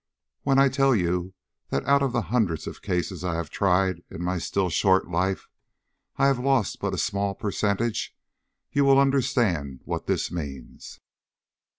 When I tell you that out of the hundreds of cases I have tried in my still short life, I have lost but a small percentage, you will understand what this means.